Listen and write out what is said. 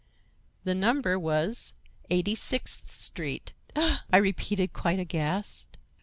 The number was—Eighty sixth Street." "—!" I repeated, quite aghast.